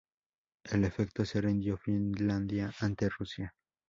En efecto, se rindió Finlandia ante Rusia.